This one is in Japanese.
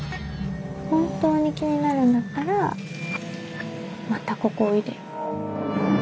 本当に気になるんだったらまたここおいでよ。